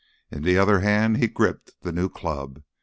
In the other hand he gripped the new club.